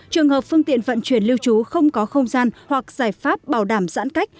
trường hợp phương tiện vận chuyển lưu trú không có không gian hoặc giải pháp bảo đảm giãn cách